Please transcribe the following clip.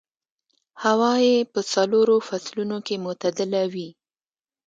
هوا يې په څلورو فصلونو کې معتدله وي.